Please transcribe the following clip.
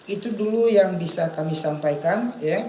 itu dulu yang bisa kami sampaikan